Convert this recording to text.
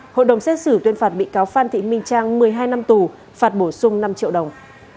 hội đồng xét xử tuyên phạt bị cáo phan thị minh trang một mươi hai năm tù phạt bổ sung năm triệu đồng